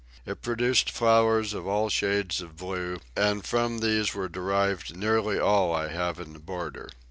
It produced flowers of all shades of blue, and from these were derived nearly all I have in the border.